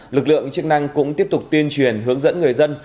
lực lượng chức năng cũng tiếp tục tuyên truyền hướng dẫn người dân